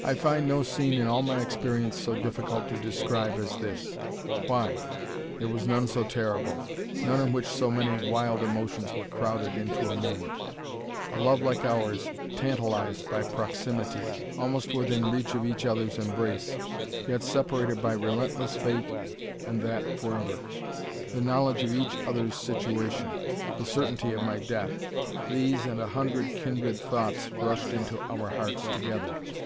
I find no scene in all my experience so difficult to describe as this. Why? There was none so terrible; none in which so many wild emotions were crowded into a moment. A love like ours, tantalised by proximity, almost within reach of each other's embrace, yet separated by relentless fate, and that for ever; the knowledge of each other's situation; the certainty of my death: these and a hundred kindred thoughts rushed into our hearts together.